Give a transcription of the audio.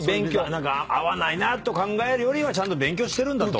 何か合わないなと考えるよりはちゃんと勉強してるんだと。